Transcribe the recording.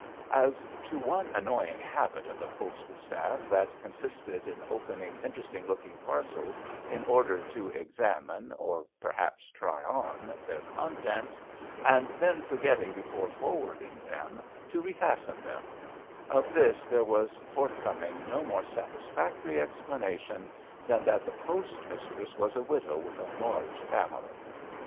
As to one annoying habit of the postal staff that consisted in opening interesting looking parcels in order to examines, or S3 HAMPSHIRE VIGNETTES perhaps try on, their contents, and then forgetting before forwarding them, to refasten them; of this there was forthcoming no more satisfactory explanation than that the post mistress was a widow with a large family.